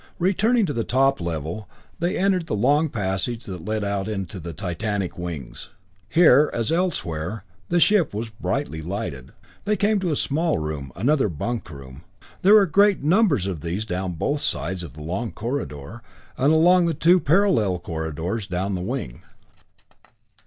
Returning to the top level, they entered the long passages that led out into the titanic wings. Here, as elsewhere, the ship was brightly lighted. They came to a small room, another bunk room. There were great numbers of these down both sides of the long corridor, and along the two parallel corridors down the wing.